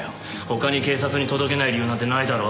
他に警察に届けない理由なんてないだろ。